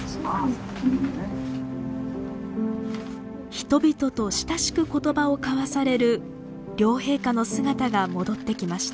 人々と親しく言葉を交わされる両陛下の姿が戻ってきました。